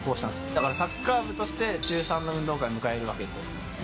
だからサッカー部として中３の運動会を迎えるわけですよ。